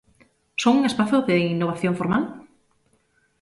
Son un espazo de innovación formal?